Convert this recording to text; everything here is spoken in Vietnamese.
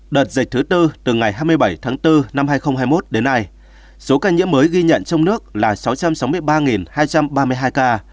đợt dịch thứ tư từ ngày hai mươi bảy tháng bốn năm hai nghìn hai mươi một đến nay số ca nhiễm mới ghi nhận trong nước là sáu trăm sáu mươi ba hai trăm ba mươi hai ca